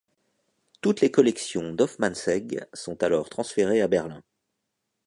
Toutes les collections d'Hoffmannsegg sont alors transférées à Berlin.